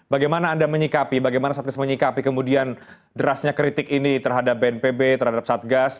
bagaimana anda menyikapi bagaimana satgas menyikapi kemudian derasnya kritik ini terhadap bnpb terhadap satgas